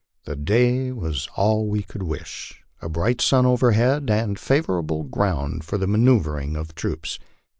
The day was all we could wish a bright sun overhead, and favorable ground for the nianoeu vring of troops.